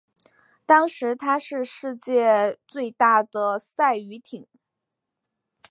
当时她是世界最大的赛渔艇。